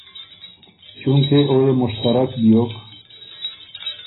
چونکې او يې مشترک بیوک